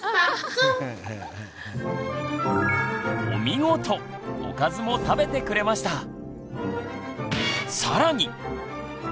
おかずも食べてくれました！